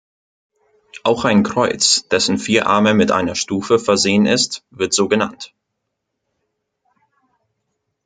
Auch ein Kreuz, dessen vier Arme mit einer Stufe versehen ist, wird so genannt.